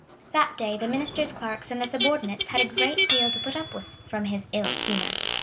That day the minister's clerks and the subordinates had a great deal to put up with from his ill humor.